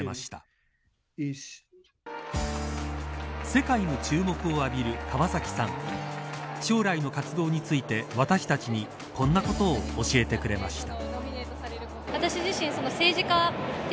世界の注目を浴びる川崎さん将来の活動について私たちにこんなことを教えてくれました。